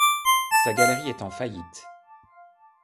Sa galerie est en faillite.